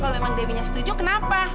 kalau memang dewinya setuju kenapa